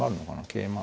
桂馬。